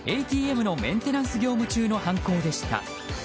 ＡＴＭのメンテナンス業務中の犯行でした。